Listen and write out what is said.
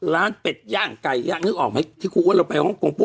เป็ดย่างไก่ย่างนึกออกไหมที่ครูอ้วนเราไปฮ่องกงปุ๊